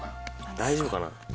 大丈夫かな。